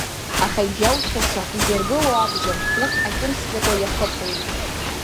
Аха иџьаушьаша, изыргыло акӡом, урҭ акьымсӡакәа иахыԥоит!